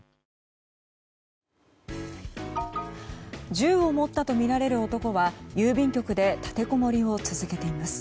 銃を持ったとみられる男は郵便局で立てこもりを続けています。